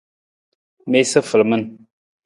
Miisa falaman.